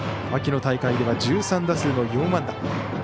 秋の大会では１３打数の４安打。